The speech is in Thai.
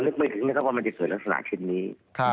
ไม่ถึงนะครับว่ามันจะเกิดลักษณะเช่นนี้